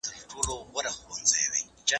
که وخت وي قلم استعمالوموم